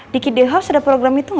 di kidil house ada program itu gak